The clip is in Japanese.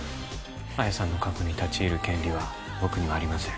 彩さんの過去に立ち入る権利は僕にはありません。